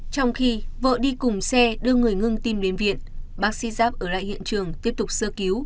trong khi vợ đi cùng xe đưa người ngưng tim đến viện bác sĩ giáp ở lại hiện trường tiếp tục sơ cứu